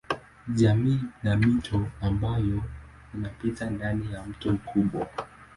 Jamii ni mito ambayo inapita ndani ya mto mkubwa.